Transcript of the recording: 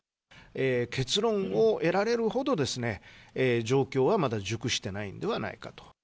結論を得られるほど、状況はまだ熟してないんではないかと。